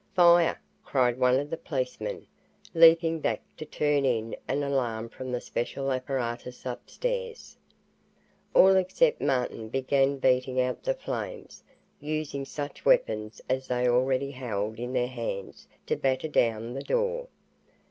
"Fire!" cried one of the policemen, leaping back to turn in an alarm from the special apparatus upstairs. All except Martin began beating out the flames, using such weapons as they already held in their hands to batter down the door.